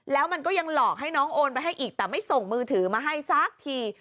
แล้วมันก็ยังหลอกให้น้องโอนไปให้อีกแต่ไม่ส่งมือถือมาให้สักที